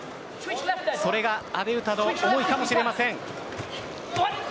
それが阿部詩の思いかもしれません。